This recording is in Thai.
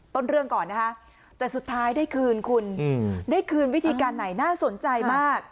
ต้นเรื่องก่อนนะคะแต่สุดท้ายได้คืนคุณได้คืนวิธีการไหนน่าสนใจมาก